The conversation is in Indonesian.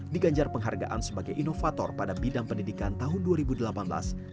diganjar penghargaan sebagai inovator pada bidang pendidikan tahun dua ribu delapan belas